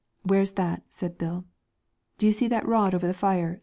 ' Where's no Moral. that ?' said Bill. ' Do you see that rod over the fire